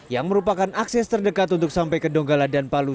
yang merupakan akses terdekat untuk sampai ke donggala dan palu